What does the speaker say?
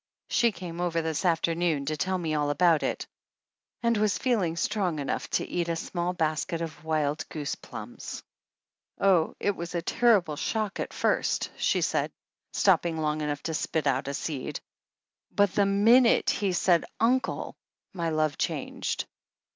She came over this afternoon to tell me all about it and was feeling strong enough to eat a small basket of wild goose plums. "Oh, it was a terrible shock at first," she said, stopping long enough to spit out a seed, "but the minute he said uncle my love changed.